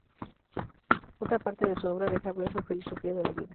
Otra parte de su obra deja ver su filosofía de la vida.